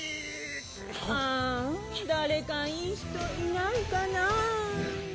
あんだれかいいひといないかな？